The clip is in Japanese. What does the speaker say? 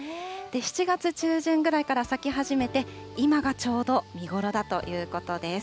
７月中旬ぐらいから咲き始めて、今がちょうど見頃だということです。